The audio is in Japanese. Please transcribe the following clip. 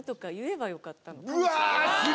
うわ！